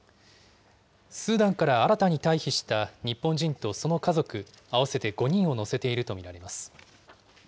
スーダンから新たに退避した日本人とその家族、合わせて５人を乗せていると見られます。